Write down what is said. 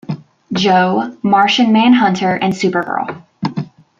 Joe", "Martian Manhunter" and "Supergirl".